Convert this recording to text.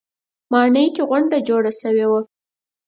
ماڼۍ کې غونډه جوړه شوې وه.